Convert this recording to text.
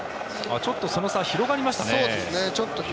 ちょっと広がりましたね。